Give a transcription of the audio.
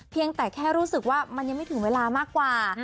เพียงแต่แค่รู้สึกว่ามันยังไม่ถึงเวลามากกว่า